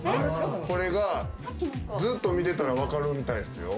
これがずっと見てたら分かるみたいですよ。